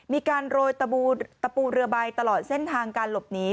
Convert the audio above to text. มีการโรยตะปูเรือใบตลอดเส้นทางการหลบหนี